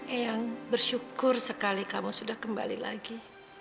eyang bersyukur sekali kamu sudah kembali lagi